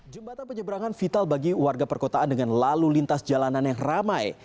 jembatan penyeberangan vital bagi warga perkotaan dengan lalu lintas jalanan yang ramai